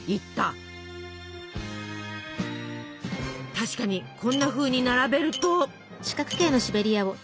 確かにこんなふうに並べると。